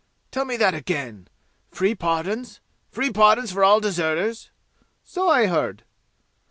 "Tell me that again! Free pardons? Free pardons for all deserters?" "So I heard."